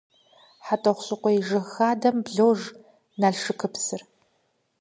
Хьэтӏохъущыкъуей жыг хадэм блож Налшыкыпсыр.